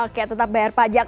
oke tetap bayar pajak